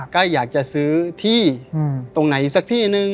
ก็อยากจะซื้อที่ตรงไหนสักที่นึง